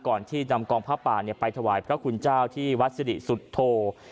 ก่อนที่นำกองพระป่าไปถวายพระคุณเจ้าที่วัดศรีสุธโธ